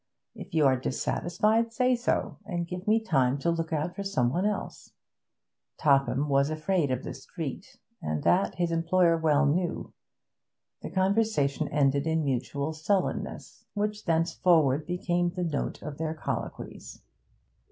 If you are dissatisfied, say so, and give me time to look out for some one else.' Topham was afraid of the street, and that his employer well knew. The conversation ended in mutual sullenness, which thenceforward became the note of their colloquies.